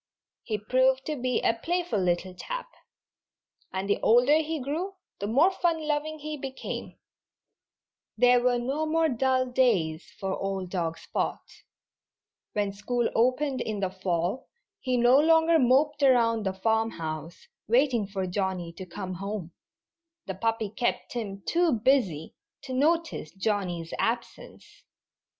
He proved to be a playful little chap. And the older he grew the more fun loving he became. [Illustration: Sometimes the Puppy Would Bite Spot's Tail. (Page 73)] There were no more dull days for old dog Spot. When school opened in the fall he no longer moped around the farmhouse, waiting for Johnnie to come home. The puppy kept him too busy to notice Johnnie's absence.